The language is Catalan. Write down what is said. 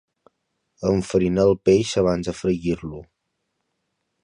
Enfarinar el peix abans de fregir-lo.